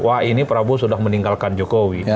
wah ini prabowo sudah meninggalkan jokowi